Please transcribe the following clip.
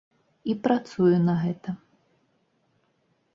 І працую на гэта.